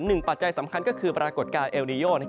ปัจจัยสำคัญก็คือปรากฏการณ์เอลนิโย